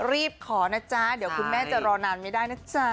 รีบขอนะจ๊ะเดี๋ยวคุณแม่จะรอนานไม่ได้นะจ๊ะ